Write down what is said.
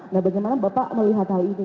nah bagaimana bapak melihat hal ini